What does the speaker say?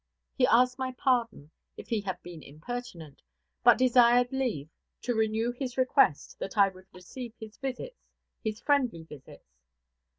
He asked my pardon, if he had been impertinent, but desired leave to renew his request that I would receive his visits, his friendly visits.